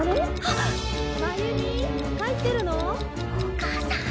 お母さん。